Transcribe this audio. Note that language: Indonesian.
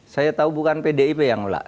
saya tahu bukan pdip yang ulak